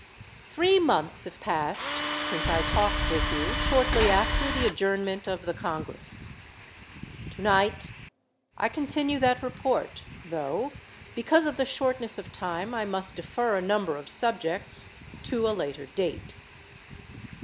Three months have passed since I talked with you shortly after the adjournment of the Congress. Tonight I continue that report, though, because of the shortness of time, I must defer a number of subjects to a later date.